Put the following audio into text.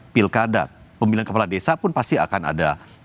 pilkada pemilihan kepala desa pun pasti akan ada